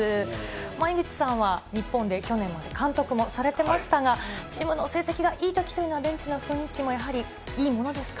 井口さんは日本で去年まで監督もされてましたが、チームの成績がいいときというのは、ベンチの雰囲気もやはりいいものですか？